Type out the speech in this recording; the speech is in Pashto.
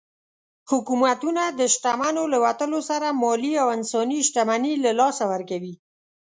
حکومتونه د شتمنو له وتلو سره مالي او انساني شتمني له لاسه ورکوي.